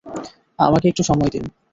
আমাকে একটু সময় দিন।